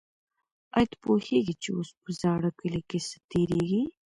آیا ته پوهېږې چې اوس په زاړه کلي کې څه تېرېږي؟